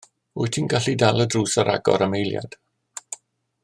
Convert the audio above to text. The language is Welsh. Wyt ti'n gallu dal y drws ar agor am eiliad?